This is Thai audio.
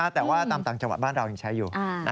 แต่ว่าตามต่างจังหวัดบ้านเรายังใช้อยู่